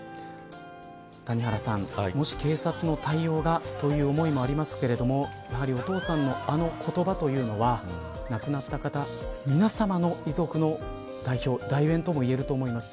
谷原さん、もし警察の対応がという思いもありますけれどもやはり、お父さんのあの言葉というのは亡くなった方皆さまの遺族の代弁とも言えると思います。